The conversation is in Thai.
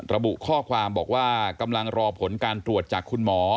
ระบุข้อความบอกว่ากำลังรอผลการตรวจจากคุณหมอ